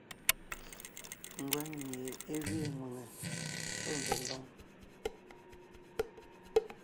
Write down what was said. Ngwáŋ mie é gẅiin ŋwʉ̀ŋe (P), pɔ́ mvèmváŋ (K).